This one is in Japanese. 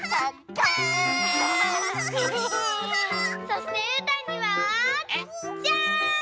そしてうーたんにはじゃん！